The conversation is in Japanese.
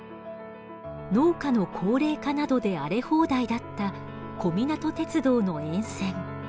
農家の高齢化などで荒れ放題だった小湊鉄道の沿線。